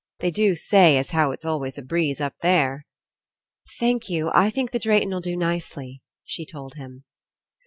"They do say as how it's always a breeze up there." "Thank you. I think the Drayton'll do nicely," she told him.